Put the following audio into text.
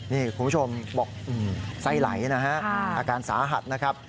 นี่คุณผู้ชมบอกไส้ไหลนะฮะอาการสาหัสนะครับ